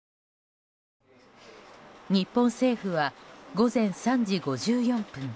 日本政府は午前３時５４分